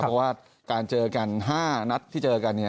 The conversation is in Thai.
เพราะว่าการเจอกัน๕นัดที่เจอกัน